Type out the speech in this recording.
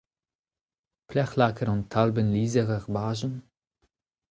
Pelecʼh lakaat an talbenn lizher er bajenn ?